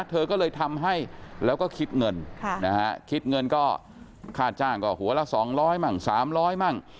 เธอก็เลยทำให้แล้วก็คิดเงินค่ะคิดเงินก็ค่าจ้างก็หัวละสองร้อยบ้างสามร้อยบ้าง